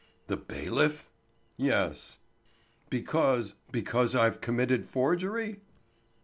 "The bailiff?" "Yes." "Because because I've committed forgery?"